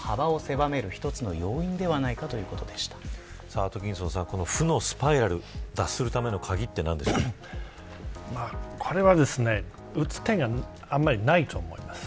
アトキンソンさん負のスパイラルに脱するためのこれは打つ手があんまりないと思います。